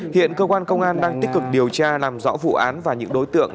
hiện cơ quan công an đang tích cực điều tra làm rõ vụ án và những đối tượng